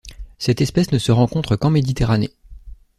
Cette espèce ne se rencontre qu'en Méditerranée.